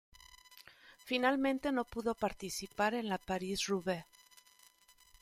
Finalmente no pudo participar en la París-Roubaix.